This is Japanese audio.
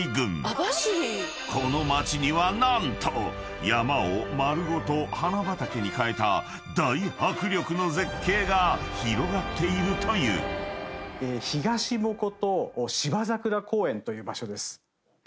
［この町には何と山を丸ごと花畑に変えた大迫力の絶景が広がっているという］という場所です。